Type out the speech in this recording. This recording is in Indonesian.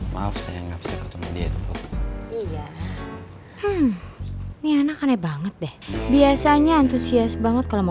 maaf saya nggak bisa ketemu dia itu iya ini aneh aneh banget deh biasanya antusias banget kalau mau